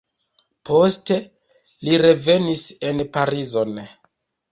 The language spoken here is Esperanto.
Poste li revenis en Parizon.